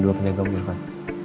dua penjagaan di rumah